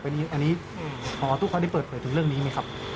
อันนี้พอตุเขาได้เปิดเผยถึงเรื่องนี้มั้ยครับ